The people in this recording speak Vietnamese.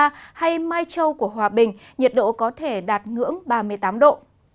sơn la hay mai châu của hòa bình nhiệt độ có thể đạt ngưỡng ba mươi tám độ